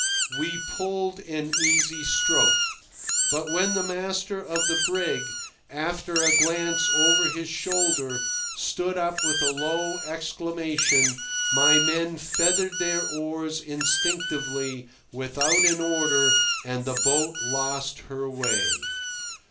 We pulled an easy stroke; but when the master of the brig, after a glance over his shoulder, stood up with a low exclamation, my men feathered their oars instinctively, without an order, and the boat lost her way.